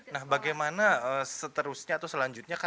nah bagaimana seterusnya atau selanjutnya